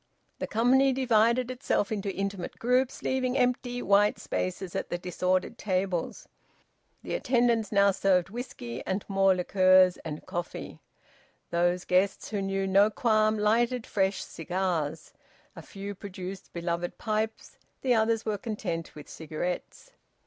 The company divided itself into intimate groups, leaving empty white spaces at the disordered tables. The attendants now served whisky, and more liqueurs and coffee. Those guests who knew no qualm lighted fresh cigars; a few produced beloved pipes; the others were content with cigarettes.